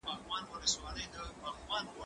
کېدای سي پوښتنه سخته وي؟